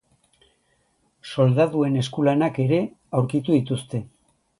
Soldaduen eskulanak ere aurkitu dituzte.